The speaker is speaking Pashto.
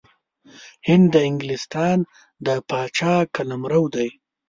هند د انګلستان د پاچا قلمرو دی.